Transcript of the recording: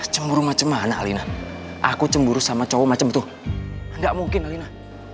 cemburu macem mana alina aku cemburu sama cowo macem itu gak mungkin alina